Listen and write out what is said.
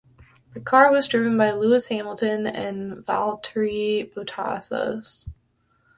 The car is driven by Lewis Hamilton and Valtteri Bottas.